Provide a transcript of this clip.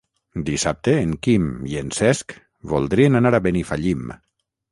Dissabte en Quim i en Cesc voldrien anar a Benifallim.